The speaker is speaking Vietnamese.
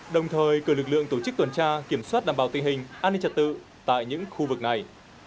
đồng thời cử lực lượng tổ chức tuần tra kiểm soát đảm bảo tình hình an ninh trật tự tại những khu vực này